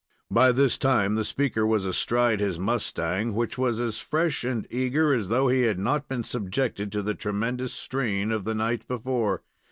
By this time the speaker was astride his mustang, which was as fresh and eager as though he had not been subjected to the tremendous strain of the night before.